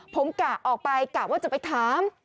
ผมกะออกไปกะว่าจะไปถาม